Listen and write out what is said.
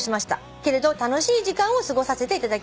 「けれど楽しい時間を過ごさせていただきました」